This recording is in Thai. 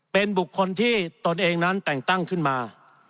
เป็นบุคคลที่ตนเองนั้นแต่งตั้งขึ้นมา